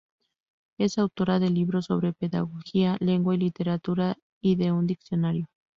Es autora de libros sobre pedagogía, lengua y literatura, y de un diccionario.